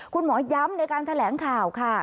คุณหมอย้ำในการแถลงข่าวค่ะ